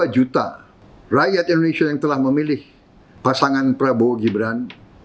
dua juta rakyat indonesia yang telah memilih pasangan prabowo gibran